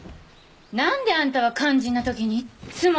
何であんたは肝心なときにいっつも。